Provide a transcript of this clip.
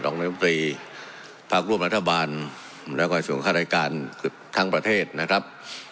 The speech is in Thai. คณะนมตรีภาคร่วมรัฐบาลและก่อนส่วนค่ารายการทั้งประเทศนะครับ